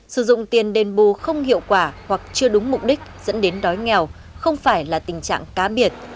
sử dụng tiền đền bù không hiệu quả hoặc chưa đúng mục đích dẫn đến đói nghèo không phải là tình trạng cá biệt